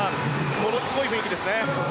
ものすごい雰囲気ですね。